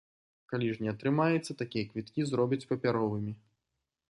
Калі ж не атрымаецца, такія квіткі зробяць папяровымі.